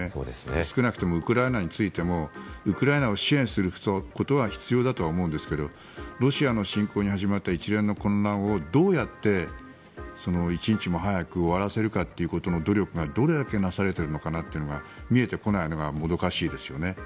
少なくともウクライナについてもウクライナを支援することは必要だと思うんですがロシアの侵攻に始まった一連の混乱をどうやって一日も早く終わらせるかということの努力がどれだけなされているのかなというのが見えてこないのがもどかしいですよね。